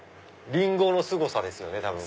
リンゴのすごさですよね多分。